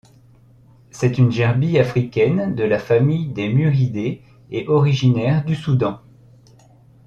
C'est une gerbille africaine de la famille des Muridés et originaire du Soudan.